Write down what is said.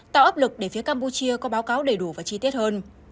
tạo áp lực để phía campuchia có báo cáo đầy đủ và chi tiết hơn